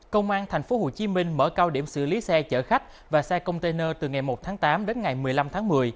công an thành phố hồ chí minh mở cao điểm xử lý xe chở khách và xe container từ ngày một tháng tám đến ngày một mươi năm tháng một mươi